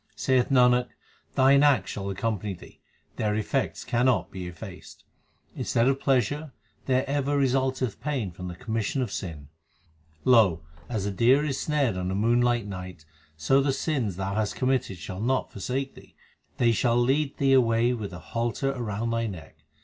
Saith Nanak, thine acts shall accompany thee, their effects cannot be effaced. Instead of pleasure there ever resulteth pain from the commission of sin. 1 The soul. 326 THE SIKH RELIGION Lo ! as the deer is snared on a moonlight night, 1 So the sins thou hast committed shall not forsake thee ; they shall lead thee away with a halter round thy neck.